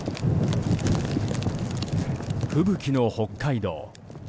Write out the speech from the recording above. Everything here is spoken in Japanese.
吹雪の北海道。